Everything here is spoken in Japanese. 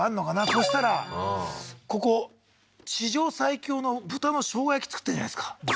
そしたらここ地上最強の豚の生姜焼き作ってるんじゃないですか？